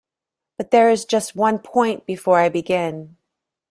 But there is just one point before I begin.